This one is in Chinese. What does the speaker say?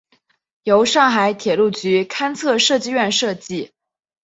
由上海铁路局勘测设计院设计。